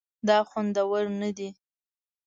دا خوندور نه دي